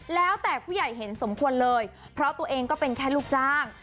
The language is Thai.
แล้วแต่ผู้ใหญ่เห็นสมควรเลยเพราะตัวเองก็เป็นแค่ลูกจ้าง